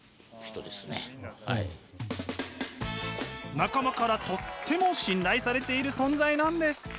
仲間からとっても信頼されている存在なんです。